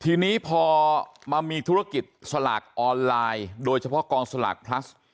ทีนี้พอมามีธุรกิจสลากออนไลน์โดยเฉพาะกองสลากพลัส